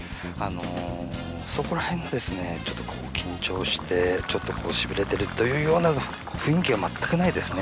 そこら辺の、緊張してしびれているような雰囲気は全くないですね。